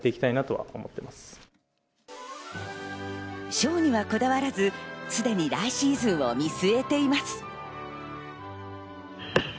賞にはこだわらず、すでに来シーズンを見据えています。